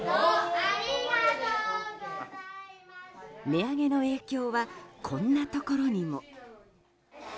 値上げの影響はこんなところにも。